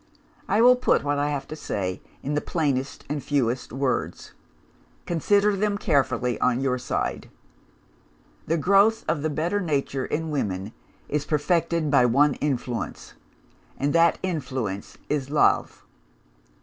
I will put what I have to say, in the plainest and fewest words: consider them carefully, on your side. The growth of the better nature, in women, is perfected by one influence and that influence is Love.